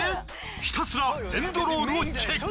ひたすらエンドロールをチェック。